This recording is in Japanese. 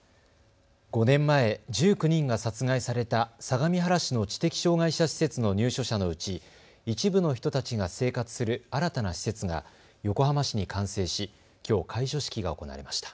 ５年前、１９人が殺害された相模原市の知的障害者施設の入所者のうち一部の人たちが生活する新たな施設が横浜市に完成しきょう開所式が行われました。